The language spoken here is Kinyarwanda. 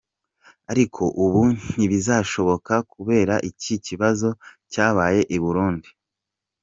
Ariko ubu ntibizashoboka kubera iki kibazo cyabaye I Burundi.